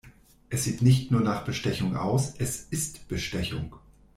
Es sieht nicht nur nach Bestechung aus, es ist Bestechung.